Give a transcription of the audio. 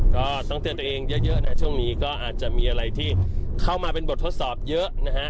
ก็ต้องเตือนตัวเองเยอะนะช่วงนี้ก็อาจจะมีอะไรที่เข้ามาเป็นบททดสอบเยอะนะฮะ